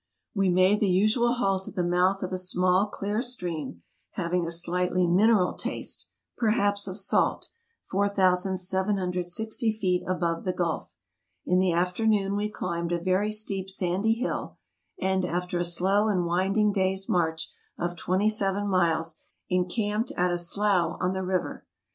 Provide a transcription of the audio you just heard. We made the usual halt at the mouth of a small, clear stream, having a slightly mineral taste (per haps of salt), 4760 feet above the Gulf. In the afternoon we climbed a very steep sandy hill ; and, after a slow and winding day's march of twenty seven miles, encamped at a slough on the river.